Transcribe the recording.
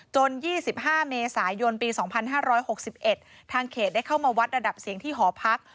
๒๕เมษายนปี๒๕๖๑ทางเขตได้เข้ามาวัดระดับเสียงที่หอพัก